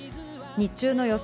日中の予想